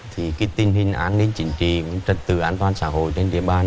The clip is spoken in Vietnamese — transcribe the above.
thì cái tình hình an ninh chính trị trật tự an toàn xã hội trên địa bàn